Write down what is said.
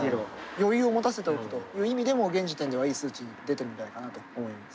余裕を持たせておくという意味でも現時点ではいい数値出てるんじゃないかなと思います。